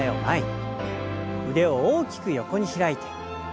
腕を大きく横に開いて。